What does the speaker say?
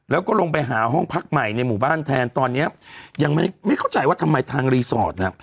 แล้วก็ลงไปหาห้องพักใหม่ในหมู่บ้านแทนตอนเนี้ยยังไม่ไม่เข้าใจว่าทำไมทางรีสอร์ทน่ะ